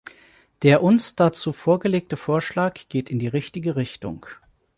Der uns dazu vorgelegte Vorschlag geht in die richtige Richtung.